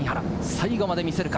最後まで見せるか？